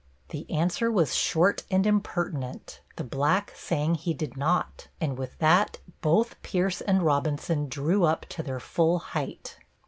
The answer was short and impertinent, the black saying he did not, and with that both Pierce and Robinson drew up to their full height.